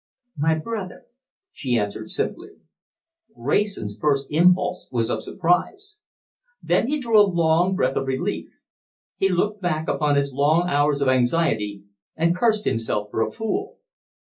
"My brother," she answered simply. Wrayson's first impulse was of surprise. Then he drew a long breath of relief. He looked back upon his long hours of anxiety, and cursed himself for a fool.